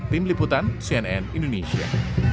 tim liputan cnn indonesia